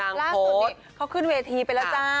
ล่าสุดนี้เขาขึ้นเวทีไปแล้วจ้า